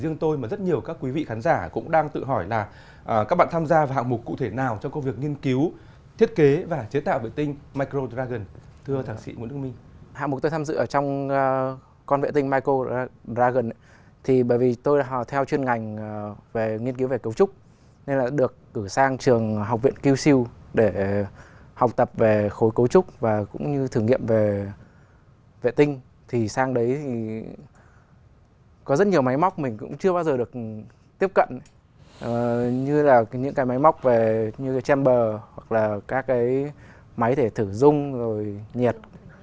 những cái máy móc về như là chamber hoặc là các cái máy để thử dung rồi nhiệt